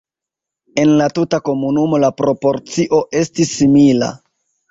En la tuta komunumo la proporcio estis simila.